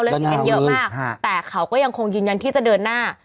กันเยอะมากแต่เขาก็ยังคงยืนยันที่จะเดินหน้า